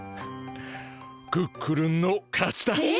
クックルンの勝ちだ！え？